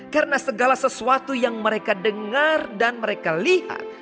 karena segala sesuatu yang mereka dengar dan mereka lihat